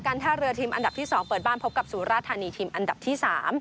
ท่าเรือทีมอันดับที่๒เปิดบ้านพบกับสุราธานีทีมอันดับที่๓